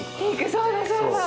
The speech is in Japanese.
そうだそうだ。